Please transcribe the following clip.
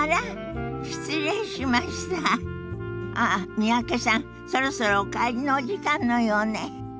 三宅さんそろそろお帰りのお時間のようね。